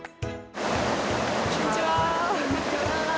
こんにちは。